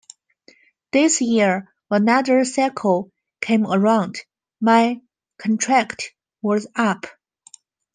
This year another cycle came around: my contract was up.